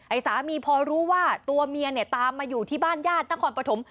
สามีพอรู้ว่าตัวเมียเนี่ยตามมาอยู่ที่บ้านญาตินครปฐม